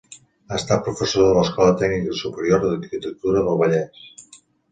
Ha estat professor de l'Escola Tècnica Superior d'Arquitectura del Vallès.